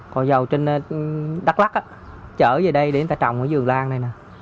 cò dầu trên đắk lắc á chở về đây để người ta trồng ở vườn lan này nè